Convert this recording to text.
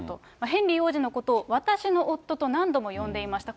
ヘンリー王子のことを私の夫と何度も呼んでいました。